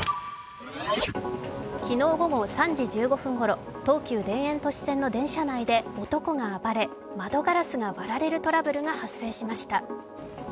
昨日午後３時１５分ごろ、東急田園都市線の電車内で男が暴れ窓ガラスが割られるトラブルが発生しました。